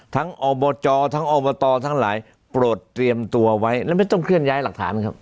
อบจทั้งอบตทั้งหลายโปรดเตรียมตัวไว้แล้วไม่ต้องเคลื่อนย้ายหลักฐานครับ